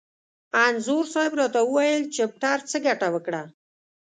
انځور صاحب را ته وویل: چپټر څه ګټه وکړه؟